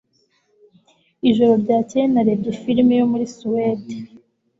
Ijoro ryakeye narebye firime yo muri Suwede